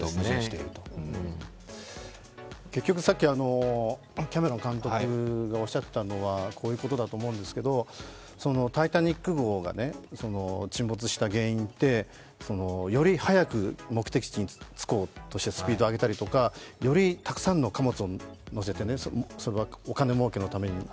結局、さっきキャメロン監督がおっしゃっていたのはこういうことだと思うんですけど「タイタニック」号が沈没した原因ってより速く目的地に着こうとしてスピードを上げたりとか、よりたくさんの貨物を載せてそれはお金儲けのために。